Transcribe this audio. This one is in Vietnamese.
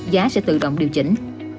giá sẽ tự động điều chỉnh